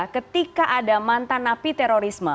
ketika ada mantanapi terorisme